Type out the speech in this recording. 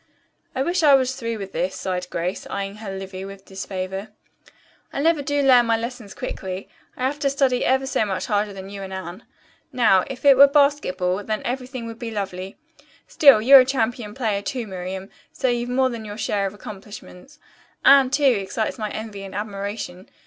"I wish I was through with this," sighed Grace, eyeing her Livy with disfavor. "I never do learn my lessons quickly. I have to study ever so much harder than you and Anne. Now, if it were basketball, then everything would be lovely. Still, you're a champion player, too, Miriam, so you've more than your share of accomplishments. Anne, too, excites my envy and admiration.